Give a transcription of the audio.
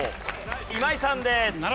今井さんです。